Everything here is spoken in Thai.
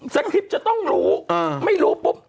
คริปต์จะต้องรู้ไม่รู้ปุ๊บ